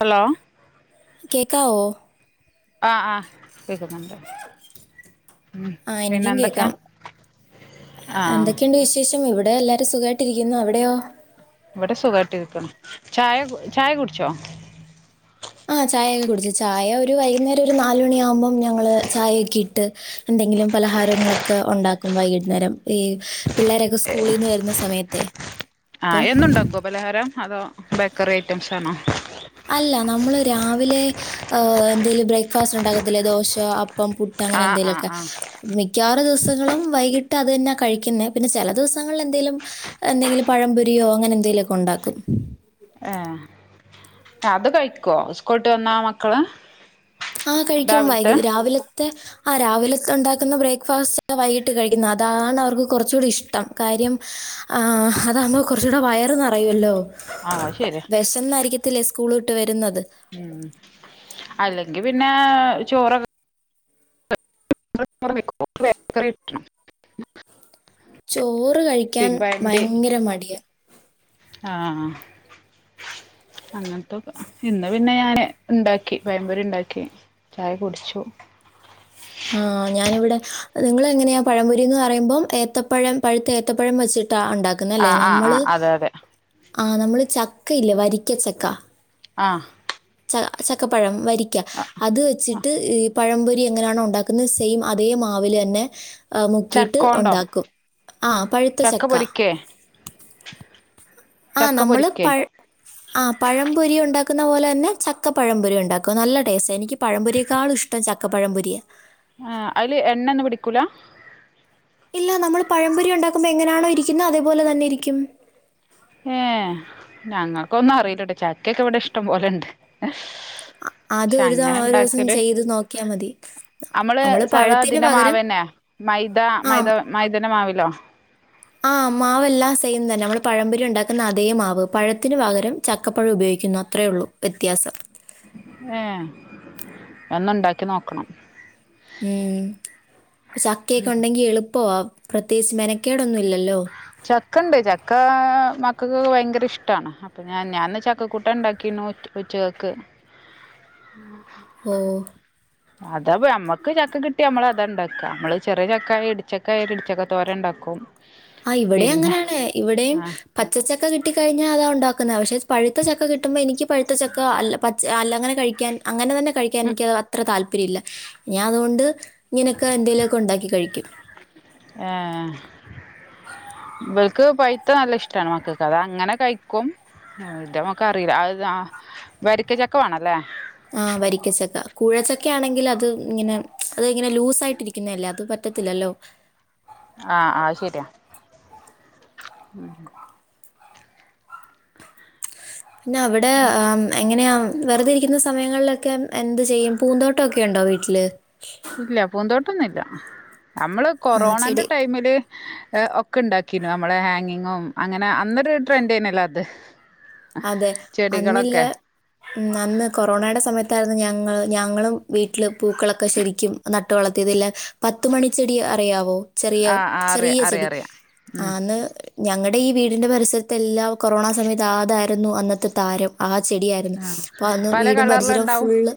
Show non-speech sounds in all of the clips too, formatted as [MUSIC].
Hello. കേക്കാവോ? ആഹ് ആഹ് കേക്കുന്നുണ്ട്. ഉം ആഹ് പിന്നെ എനിക്കും എന്തൊക്കെ കേക്കാം ആഹ് എന്തൊക്കെയുണ്ട് വിശേഷ് ഉം ഇവിടെ എല്ലാരും സുഖമായിട്ട രിക്കുന്നു അവിടെയോ? ഇവിടെ സുഖാട്ടിരിക്കണു ചായ ചായ കുടിച്ചോ? ആഹ് ചായയൊക്കെ കുടിച്ചു ചായ ഒരു വൈകുന്നേരം ഒരു നാലുമണിയ ആവുമ്പോം ഞങ്ങള് ചായയൊക്കെ ഇട്ട് എന്തെങ്കിലും പലഹാരങ്ങളൊക്കെ ഒണ്ടാക്കും വൈകുന്നേരം ഈ പിള്ളേരൊക്കെ സ്കൂളിൽ നിന്ന് വരുന്ന സമയത്തെ- ആഹ് അപ്പം എന്നുണ്ടാക്കുവോ പലഹാരം അതോ ബേക്കറി ഐറ്റംസണോ? അല്ല നമ്മള് രാവിലെ അഹ് എന്തേലും ബ്രേക്ക്ഫാസ്റ്റ് ഉണ്ടാക്കത്തില്ലേ ദോശ അ പ്പം പുട്ട് അങ്ങനെ ആഹ് ആഹ് എന്തെലുക്കെ ആഹ് മിക്കവാറും ദിവസങ്ങളും വൈകിട്ട് അത് തന്നാ കഴിക്കുന്നെ പിന്നെ ചില ദിവസങ്ങളിൽ എന്തേലും എന്തെങ്കിലും പഴംപൊരിയോ അങ്ങനെ എന്തെങ്കലുമൊക്കെ ഒണ്ടാക്കും. ഏഹ്. അത് കഴിക്കുവോ സ്കൂള്ട്ട് വന്നാ മക്കള്? ആഹ് കഴിക്കും വൈക രാവിലത്തെ രാവിലത്തെ ആഹ് രാവിലെ ഉണ്ടാക്കുന്ന ബ്രേക്ക്ഫാസ്റ്റ് വൈകിട്ട് കഴിക്കുന്നത് അതാണ് അവർക്ക് കൊറച്ച കൂടെ ഇഷ്ടം. കാര്യം ആ അതാവുമ്പൊ കൊർച്ചൂടെ വയറ് നറയല്ലോ ആഹ് അത് ശരിയാ വെശന്നായിരിക്കത്തില്ലേ സ്കൂള് വിട്ട് വെരുന്നത് അ അല്ലെങ്കി പിന്നെ ചോറൊ [INAUDIBLE] ചോറ് കഴിക്കാൻ പിന്നെ ഭയങ്കര മടിയാ ആ അങ്ങൻത്തൊക്ക ഇന്ന് പിന്നെ ഞാന് ഉണ്ടാക്കി പയമ്പൊരി ണ്ടാക്കി ചായ കുടിച്ചു ആ ഞാനിവിടെ നിങ്ങളെങ്ങനെയാ പഴംപൊരിന്ന് പറയുമ്പം ഏത്തപ്പഴം പഴുത്ത ഏ ത്തപ്പഴം വെച്ചിട്ടാ ഒണ്ടാക്ക്‌ന്നെ ല്ലേ ആഹ് ആഹ് നമ്മള് ആഹ് അതെ അതെ ആ നമ്മള് ചക്കയില്ലേ വരിക്കച്ചക്ക ആ ച ചക്കപ്പഴം വരിക്ക അത് വെച്ചിട്ട് പഴം പൊരി എങ്ങനാണോ ഉ ണ്ടാക്കുന്നത് സെയിം അതേ മാവിലെന്നെ മുക്കിട്ട് ചക്കോണ്ടോ ഒണ്ടാക്കും ആ പഴുത്ത ചക്ക ആ ചക്ക നമ്മള് പ പൊരിക്കേ ആ പഴം പൊരി ഉണ്ടാക്കുന്ന പോലെ തന്നെ ചക്ക പഴംപൊരി ഉണ്ടാക്കും നല്ല ടേസ്റ്റ എനിക്ക് പഴംപൊരിക്കാളും ഇഷ്ട ട്ടം ചക്കപ്പഴമ്പൊരിയ ആ അയ്ല് എണ്ണോന്നും പിടിക്കൂല ഇല്ല നമ്മൾ പഴംപൊരി ഉണ്ടാക്കുമ്പോ എങ്ങനെയാണോ ഇരിക്കുന്നത് അതേപോലെ തന്നെ ഇരിക്കും ഏ ഞങ്ങക്കൊന്നും അറിയില്ലട്ടോ ചക്കൊക്കെവടെ ഇഷ്ടം പോലെണ്ട് അത് പക്ഷെ ഒരു തവ അങ്ങനെ ഒരു ദിവസം ഇണ്ടാക്കല് ചെയ്ത് നോക്ക്യാ മതി നമ്മള് നമ്മൾ സാധാ പഴത്തിന് തിന്റെ പകരം മാവെന്നെ മൈദ ആ മൈദ മൈദന്റെ മാവിലോ ആ മാവെല്ലാം സെയിം തന്നെ നമ്മള് പഴമ്പൊരി ഉണ്ടാക്കുന്ന അതേ മാവ് പഴത്തിന് പകരം ചക്കപ്പഴം ഉപയോഗിക്കുന്നു അത്രേ ഉള്ളൂ വ്യത്യാസം ഏ ഞാന്നുണ്ടാക്കി നോക്കണം ഉം ചക്കൊക്കെ ഉണ്ടെങ്കി എളുപ്പവാ പ്രത്യേകിച്ച് മെനക്കേടൊന്നും ഇല്ലല്ലോ ചക്കണ്ട് ചക്ക മക്കക്കൊക്കെ ഭയങ്കര ഇഷ്ടാണ് പ്പ ഞാൻ ഞാന്ന് ചക്കക്കൂട്ടാൻ ണ്ടാക്കിന്നു ഉച്ചക്കക്ക് ഉം ഓ അതാപ്പൊ നമ്മക്ക് ചക്ക കിട്ട്യാ നമ്മളതാ ണ്ടാക്ക നമ്മള് ചെറിയ ചക്കായ ഇടിച്ചക്കായാല് ഇടിച്ചക്ക തോരണ്ടാക്കും ആ ഇവിടേം അങ്ങനാണ് ഇവിടേം ആ പച്ചച്ചക്ക കിട്ടിക്കഴിഞ്ഞാ അതാ ഒണ്ടാക്കുന്നെ പക്ഷെ പഴുത്ത ചക്ക കിട്ടുമ്പോ എനിക്ക് പഴ്ത്ത ചക്ക അല്ല പ അല്ലങ്ങനെ കഴിക്കാൻ അങ്ങനെ തന്നെ കഴിക്കാൻ എനിക്കത് അത്ര താല്പര്യല്ല ഞാ അതോണ്ട് ഇങ്ങനൊക്കെ എന്തേലൊക്കെ ഉണ്ടാക്കി കഴിക്കും ഏ ഇവൽക്ക് പൈത്ത നല്ലഷ്ടാണ് മക്കക്ക് അതങ്ങനെ കഴിക്കും ആ ഇതമ്മക്കറില്ല അത് ആ വരിക്ക ചക്കവാണല്ലേ ആ വരിക്കച്ചക്ക കൂഴച്ചക്കാണെങ്കില് അത് ങ്ങനെ അത്ങ്ങനെ ലൂസായിട്ടിരി ക്ക്ന്നല്ലേ അത് പറ്റത്തില്ലല്ലോ ആ ആ അത് ശെരിയാ ഉം പിന്നവടെ ആം എങ്ങന്യാ വെറുതെ ഇരിക്കുന്ന സമയങ്ങളിലൊക്കെ എന്ത് ചെയ്യും പൂന്തോട്ടൊക്കെ ഉണ്ടോ വീട്ടില് ഇല്ല പൂന്തോട്ടൊന്നുമില്ല നമ്മള് ആഹ് കൊറോണന്റെ ചെടി ടൈമില് ഒക്കെ ഉണ്ടാക്കീന്നു നമ്മളെ ഹാങ്ങിങ്ങും അങ്ങനെ അന്നൊരു ട്രെൻഡാനല്ലോ അത് അതെ അന്നില്ല ചെടികളൊക്കെ അന്ന് കൊറോണയുടെ സമയത്തായിരുന്നു ഞങ്ങ ഞങ്ങളും വീട്ടിൽ പൂക്കളൊക്കെ ശരിക്കും നട്ട് വളർത്തിയത് ല്ല പത്തുമണി ചെടി അറിയാവോ ചെറിയ ആഹ് ആഹ് അറിയ ചെറിയ അറിയ ചെടി അറിയാം ഉം ആന്ന് ഞങ്ങളുടെ ഈ വീടിൻ്റെ പരിസരത്തെല്ലാം കൊറോണ സമയത്ത് അതായിരുന്നു അന്നത്തെ താരം ആ ചെടിയായിരുന്നു ആഹ് അപ്പൊ അന്ന് പല വീടും പരിസരം കളറിലുണ്ടാവും ഫുള്ള്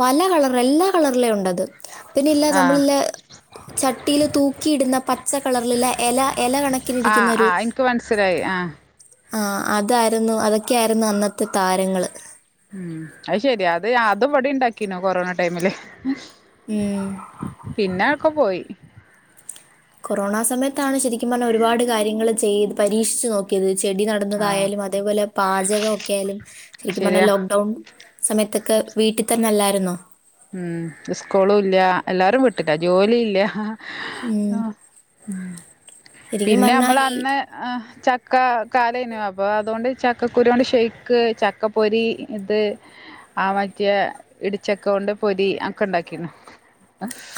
പല കളറ് എല്ലാ കളറിലെ ഉണ്ടത് പിന്നെ ഇല്ലെ ആഹ് നമ്മളില്ലെ ചട്ടിൽ തൂക്കിയിടുന്ന പച്ച കളറിലെ എല എല കണക്കിലിരിക്കുന്ന ഒരു അത് എനിക്ക് മനസ്സിലായി ആഹ് ആഹ് അതായിരുന്നു അതൊക്കെയായിരുന്നു അന്നത്തെ താരങ്ങള് ഉം അത് ശെരി അത് അതും ഇവടി ഉണ്ടാക്കീനു കൊറോണ ടൈമില് ഉം പിന്ന ക്കെ പോയി കൊറോണ സമയത്താണ് ശരിക്കും പറഞ്ഞാൽ ഒരുപാട് കാര്യങ്ങള് ചെയ്ത് പരീക്ഷിച്ചു നോക്കിയത് ചെടി ന ആഹ് ട്ന്നതായാലും അതേപോലെ പാചകം ഒക്കെ ആയാലും ശരിക്കും പറഞ്ഞാൽ ശരിയാ ലോക്ക്ഡൗൺ സമയത്തൊക്കെ വീട്ടിൽ തന്നെ അല്ലായിരുന്നോ ഉം ഉസ്കൂളും ഇല്ല എല്ലാരും വീട്ടില്ല ജോലി ഇല്ല ഉം ങാ ശരിക്കും പിന്നെ പറഞ്ഞാ നമ്മൾ ഈ അന്ന് ആഹ് ചക്ക കാലേനു അപ്പൊ അതുകൊണ്ട് ചക്കക്കുരു കൊണ്ട് ഷെയ്ക്ക് ചക്ക പൊരി ഇത് ആ മാറ്റിയ ഇടിച്ചക്ക കൊണ്ട് പൊരി അക്കെ ഉണ്ടാക്കിണ്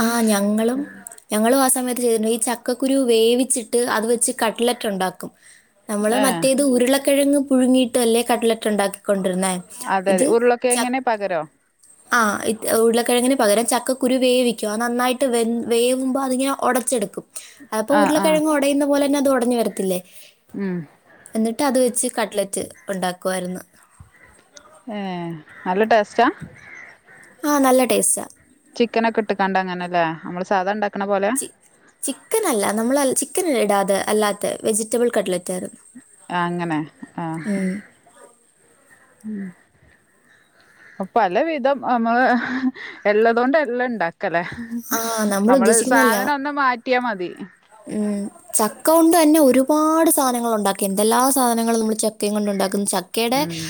ആഹ് ഞങ്ങളും ഞങ്ങളും ആ സമയത്ത് ചെയ്തിട്ടുണ്ട് ഈ ചക്കക്കുരുവ് വേവിച്ചിട്ട് അത് വെച്ച് കട്ട്ലറ്റ് ഉണ്ടാക്കും നമ്മള് ഏഹ് മറ്റേത് ഉരുളക്കിഴങ്ങ് പുഴുങ്ങിട്ട് അല്ലേ കട്ട്ലറ്റ് ഉണ്ടാക്കിക്കൊണ്ടിരുന്നേ അതെതെ ഉരുളക്കിഴങ്ങിന് പകരോ ആഹ് ഉരുളക്കിഴങ്ങിന് പകരം ചക്കുരു വേവി ക്കും അത് നന്നായിട്ട് വേവുമ്പോ അങ്ങനെ ഉടച്ചെടുക്കും അത് പ്പൊ ആഹ് ആഹ് ഉരുളക്കിഴങ്ങുടയുന്ന പോലെ പിന്നെ അത് ഉടഞ്ഞു വരത്തില്ലേ ഉം എന്നിട്ട് അത് വെച്ച് കട്ട്ലെറ്റ് ഉണ്ടാക്കുവാര്ന്നു ഏഹ് നല്ല ടേസ്റ്റാ ആഹ് നല്ല ടേസ്റ്റാ ചിക്കനൊക്കെ ഇട്ടക്കാണ്ട അങ്ങനെ ല്ലേ നമ്മള് സാധ ഉണ്ടാക്കണ പോലെ ചിക്കൻ അല്ല നമ്മൾ ചിക്കൻ ഇടാതെ അല്ലാത്ത വെജിറ്റബിൾ കട്ട്ലെറ്റായിരുന്നു ആഹ് അങ്ങനെ ആഹ് മ് പല വിധം നമ്മള് എല്ലതൊണ്ട് എല്ലാം ഉണ്ടാക്കി ക്കല്ലേ ആ നമ്മൾ നമ്മള് ഉദ്ദേശിക്കുന്നതല്ല. സാധനം ഒന്ന് മാറ്റിയാ മതി ഉം ചക്ക കൊണ്ട് തന്നെ ഒരുപാട് സാധനങ്ങൾ ഉണ്ടാക്കി എന്തെല്ലാ സാധനങ്ങളും നമ്മള് ചക്കയും കൊണ്ട് ഉണ്ടാക്കുന്നു ച ചക്കെടെ ഉം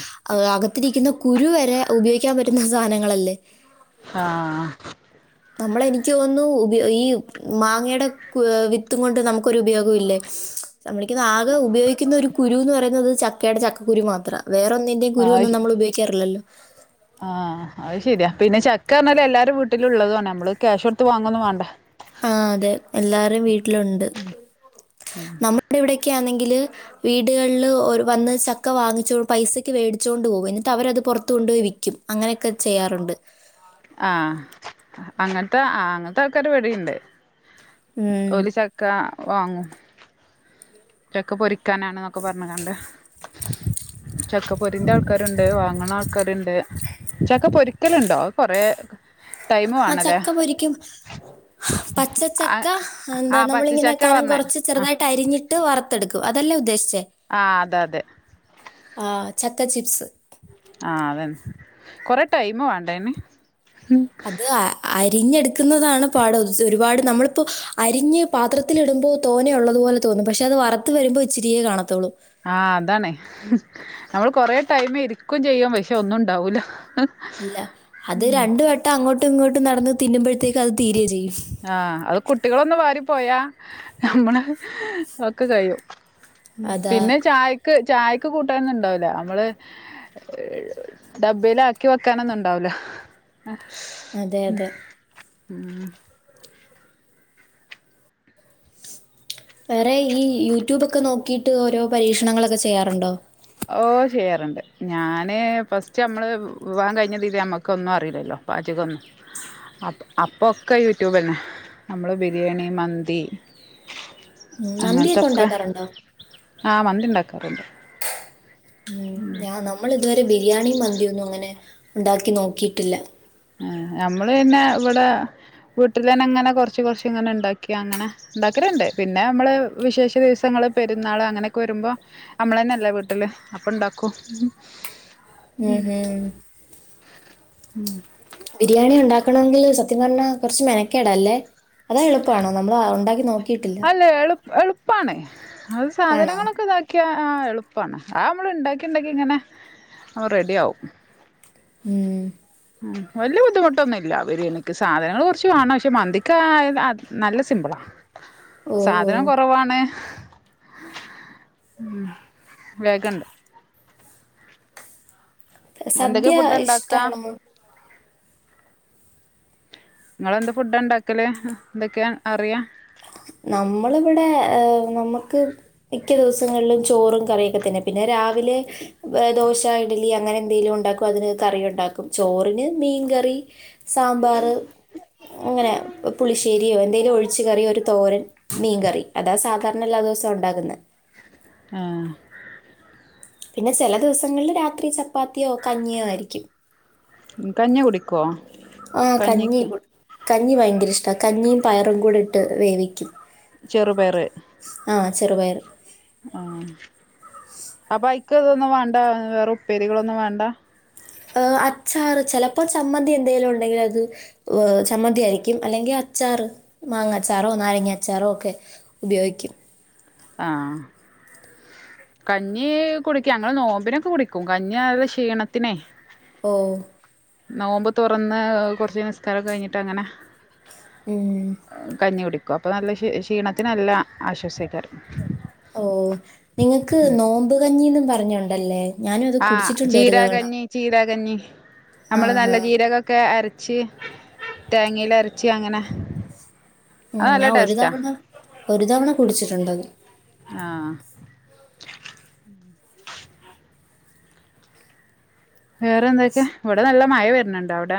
അകത്തിരിക്കുന്ന കുരു വരെ ഉപയോഗിക്കാൻ പറ്റുന്ന സാധനങ്ങളല്ലേ ആഹ് നമ്മള് എനിക്ക് തോന്നുന്നു ഉപയ ഈ മാങ്ങയുടെ വിത്തും കൊണ്ട് നമുക്കൊരു ഉപയോഗല്ലേ നമ്മളിക്കുന്ന ആകെ ഉപയോഗിക്കുന്ന ഒരു കുരുന്ന് പറയുന്നത് ചക്കയുടെ ചക്കക്കുരു മാത്രമാ വേറെ ഒന്നെന്റെയും കുരു ഒന്നും നമ്മള് ഉപയോഗിക്കാറില്ലല്ലോ ആഹ് അത് ശരിയാ പിന്ന ചക്ക എന്ന് പറഞ്ഞാൽ എല്ലാരും വീട്ടിലേ ഉള്ളത നമ്മള് ക്യാഷ് കൊടുത്ത് വാങ്ങൊന്നും വേണ്ട ആ അതെ എല്ലാരും വീട്ടിലുണ്ട് നമ്മുടെ ഇവിടെക്കെയാണെങ്കില് വീടുകളിൽ വന്ന് ചക്ക വാങ്ങിച്ച പൈസക്ക് മേടിച്ചുകൊണ്ട് പോകും എന്നിട്ട് അവരത് പുറത്തു കൊണ്ടു പോയി വിക്കും ക്കും അങ്ങനെയൊക്കെ ചെയ്യാറുണ്ട് ആഹ് അങ്ങൻത്തെ ആ അങ്ങൻത്തെ ആൾക്കാര് ഇവടീണ്ട് ഉം ഓല് ക്ക വാങ്ങും ചക്ക പൊരിക്കാനാണെന്നൊക്കെ പറഞ്ഞു കാണ്ട് ചക്കപ്പൊരിന്റെ ആൾക്കാരുണ്ട് വാങ്ണ ആൾക്കാരുണ്ട് ചക്ക പൊരി ക്കലുണ്ടോ കുറെ ആ ചക്ക പൊരിക്കും പച്ച ആ ച്ചക്ക ആ എന്താ നമ്മളിങ്ങനെ പച്ചച്ചക്ക കനം പറഞ്ഞേ കുറച്ച് ആ ചെറുതായിട്ട് അരിഞ് ഞ്ഞിട്ട് വറുത്തെടുക്കും അതല്ലേ ഉദ്ദേശിച്ചേ ആ അതെ അതെ ആ ചക്ക ചിപ്സ് ആഹ് അതന്നെ കൊറെ ടൈം വേണ്ടെ അയിന് അത് ആ അരിഞ്ഞെടുക്കുന്നതാണ് പാട് ഒരുപാട് നമ്മളിപ്പോ അരിഞ്ഞ് പാത്രത്തിലി ടുമ്പോൾ തോനെ ഉള്ളതു പോലെ തോന്നും പക്ഷെ അത് വറത്ത് വരുമ്പോ ഇച്ചിരിയേ കാണത്തുള്ളൂ ആഹ് അതാണ് നമ്മള് കൊറെ ടൈമ് ഇരിക്കയും ചെയ്യും പക്ഷെ ഒന്നും ഉണ്ടാവൂലാ ഇല്ല അത് രണ്ട് വട്ടം അങ്ങോട്ടും ഇങ്ങോട്ടും നടന്ന് തിന്നുമ്പഴത്തേക്ക് അത് തീരുകയും ചെയ്യും ആഹ് അത് കുട്ടികളൊന്ന് വാരി പോയാ നമ്മള് ഒക്കെ കയ്യും അതാ പിന്നെ ചായക്ക് ചായക്ക് കൂട്ടാനൊന്നും ഇണ്ടാവൂല നമ്മള് ഡബ്ബയിലാക്കി വെക്കാനൊന്നും ഉണ്ടാവൂല ആഹ് അതെ അതെ ഉം വേറെ ഈ യൂട്യൂബൊക്കെ നോക്കിയിട്ട് ഓരോ പരീക്ഷണങ്ങളൊക്കെ ചെയ്യാറുണ്ടോ ഓ ചെയ്യാറുണ്ട് ഞാന് ഫസ്റ്റ് നമ്മള് വിവാഹം കഴിഞ്ഞതില് നമ്മക്ക് ഒന്നും അറീല്ലല്ലോ പാചകൊന്നും അപ്പൊക്കെ യൂട്യൂബ് ന്നെ നമ്മള് ബിരിയാണി മന്തി ഉം, മന്തിയൊക്കെ അങ്ങൻത്തൊക്കെ ഉണ്ടാക്കാറുണ്ടോ ആ മന്തി ണ്ടാക്കാറുണ്ട് ഉം ഞാൻ നമ്മൾ ഇതുവരെ ബിരിയാണിയും മന്തി ഒന്നും ഇങ്ങനെ ഉണ്ടാക്കി നോക്കിയിട്ടില്ല ആ നമ്മള് പിന്നെ ഇവിടെ വീട്ടിൽ തന്നെ ഇങ്ങനെ കൊറച്ച് കുറച്ച് ഇങ്ങനെ ഉണ്ടാക്കി അങ്ങനെ ഉണ്ടാക്കലുണ്ട് പിന്നെ നമ്മള് വിശേഷ ദിവസങ്ങള് പെരുന്നാള് അങ്ങനെയൊക്കെ വരുമ്പോ ഞമ്മളന്നല്ലേ വീട്ടില് അപ്പൊ ഇണ്ടാക്കും ഉം ഹും [INAUDIBLE] ബിരിയാണി ഉണ്ടാക്കണമെങ്കിൽ സത്യം പറഞ്ഞ കുറച്ച് മെനക്കേടാ അല്ലേ അല്ല എളു എളുപ്പാണ് അത് ആണോ സാധനങ്ങളൊക്കെ ഇതാക്കി യാ ആ എളുപ്പമാണ് ആ നമ്മൾ ഉണ്ടാക്കി ഉണ്ടാക്കി ഇങ്ങനെ റെഡിയാവും മം ഉം വല്യ ബുദ്ധിമുട്ടൊന്നുംല്ല ബിരിയാണിക്ക് സാധനങ്ങൾ കുറച്ച് വാണം പക്ഷെ മന്തിക്കായ നല്ല സിമ്പിളാ ഓ ഓ സാധനം കുറവാണ് ഉം വേഗണ്ട് എന്തൊക്കെ സദ്യ ഫുഡാ ഇണ്ടാക്കാ ഇഷ്ടമാണോ ഇങ്ങളെന്ത്‌ ഫുഡാ ഇണ്ടാക്കല് എന്തൊക്കെയാ അറിയാ നമ്മളിവിടെ ഏ നമ്മുക്ക് മിക്ക ദിവസങ്ങളിലും ചോറും കറിയൊക്കെ തന്നെ പിന്നെ രാവിലെ ദോശ ഇഡലി അങ്ങനെ എന്തെങ്കിലും ഉണ്ടാക്കും അതിന് കറി ഉണ്ടാക്കും ചോറിന് മീൻകറി സാമ്പാറ് ഇങ്ങനെ പുളിശ്ശേരിയോ എന്തെലും ഒഴിച് കറിയോ ഒരു തോരൻ മീൻകറി അതാ സാധാരണ എല്ലാ ദിവസവും ഉണ്ടാക്കുന്നെ ആഹ് പിന്നെ ചെല ദിവസങ്ങളിൽ രാത്രി ചപ്പാത്തിയോ കഞ്ഞിയോ ആയിരിക്കും കഞ്ഞി കുടിക്കോ ആ കഞ്ഞി കഞ്ഞിക്ക് കഞ്ഞി ഭയങ്കര ഇഷ്ടാ കഞ്ഞിയും പയറും കൂടി ഇട്ട് വേവിക്കും ചെറുപയറ് ആ ചെറുപയർ. ആ അപ്പൊ ഐക്ക് ഇതൊന്നും വേണ്ട വേറെ ഉപ്പേരികളൊന്നും വേണ്ട അച്ചാറ് ചെലപ്പോ ചമ്മന്തി എന്തെലും ഉണ്ടെങ്കിൽ അത് ചമ്മന്തിയാര്ക്കും അല്ലെങ്കിൽ അച്ചാറ് മാങ്ങച്ചാറോ നാരങ്ങ അച്ചാറോ ഒക്കെ ഉപയോഗിക്കും ആഹ് കഞ്ഞി കുടിക്കും ഞങ്ങൾ നോമ്പിനൊക്കെ കുടിക്കും കഞ്ഞി അത് ക്ഷീണത്തിനെ ഓ നോമ്പ് തുറന്ന് കുറച്ച് നിസ്കാരക്കൊ കഴിഞ്ഞിട്ട് അങ്ങനെ ഏഹ് കഞ്ഞി കുടിക്കും അപ്പം നല്ല ക്ഷീണത്തിന് നല്ല ആശ്വാസക്കാരം ഓ നിങ്ങക്ക് നോമ്പ് കഞ്ഞിന്നു പറഞ്ഞോണ്ടല്ലേ ആഹ് ചീരാകഞ്ഞി ചീരാകഞ്ഞി നമ്മള് ആഹാ നല്ല ചീരക ക്കെ അരച്ച് തേങ്ങയില അരച്ച് അങ്ങനെ ഉം അത് നല്ല ഞാൻ ഒരു ടേസ്റ്റാ തവണ ഒരു തവണ കുടിച്ചിട്ടുണ്ടത്, ആഹ് വേറെ എന്തൊക്കെ ഇവിടെ നല്ല മഴ വര്ന്ണ്ട് അൗടെ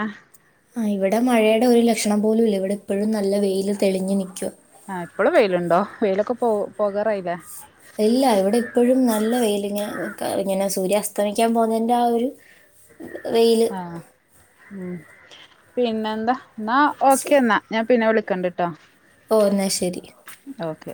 ആ ഇവിടെ മഴയുടെ ഒരു ലക്ഷണം പോലും ഇല്ല ഇവിടെ ഇപ്പഴും നല്ല വെയിൽ തെളിഞ്ഞ് നിക്കു ആഹ് ഇപ്പളും വെയിലുണ്ടോ വെയിലൊക്കെ പോ പോകാറായില്ലേ, ഇല്ല ഇവിടെ ഇപ്പഴും നല്ല വെയില് ഇങ്ങനെ നിക്ക ഇങ്ങനെ സൂര്യാ അസ്തമിക്കാൻ പോകുന്നതിൻ്റെ ആ ഒരു [UNINTELLIGIBLE] യില് അ ഉം പിന്നെന്താ ന്നാ ശരി ഓക്കെന്നാ, ഞാൻ പിന്നെ വിളിക്കണ്ട്ട്ടോ ഓ ന്നാ ശരി. ഓക്കെ.